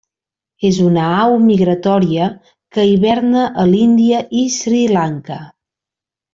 És una au migratòria, que hiverna a l'Índia i Sri Lanka.